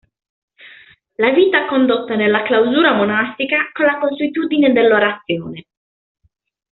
La vita condotta nella clausura monastica con la consuetudine dell'orazione.